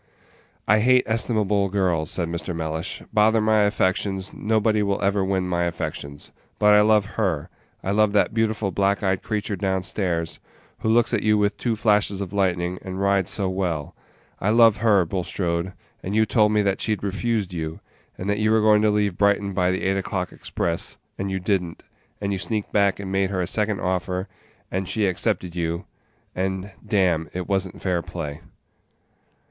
"I hate estimable girls," said Mr. Mellish; "bother my affections, nobody will ever win my affections; but I love her, I love that beautiful black eyed creature down stairs, who looks at you with two flashes of lightning, and rides so well; I love her, Bulstrode, and you told me that she'd refused you, and that you were going to leave Brighton by the eight o'clock express, and you did n't, and you sneaked back and made her a second offer, and she accepted you, and, damme, it was n't fair play."